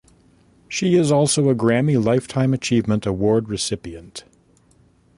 She is also a Grammy Lifetime Achievement Award recipient.